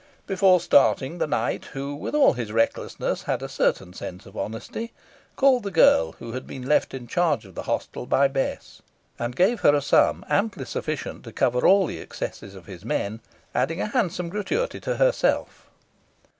Before starting, the knight, who, with all his recklessness, had a certain sense of honesty, called the girl who had been left in charge of the hostel by Bess, and gave her a sum amply sufficient to cover all the excesses of his men, adding a handsome gratuity to herself.